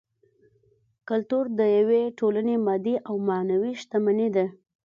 کولتور د یوې ټولنې مادي او معنوي شتمني ده